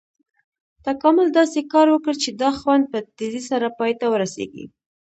تکامل داسې کار وکړ چې دا خوند په تیزي سره پای ته ورسېږي.